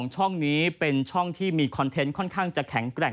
ช่องนี้เป็นช่องที่มีคอนเทนต์ค่อนข้างจะแข็งแกร่ง